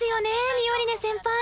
ミオリネ先輩。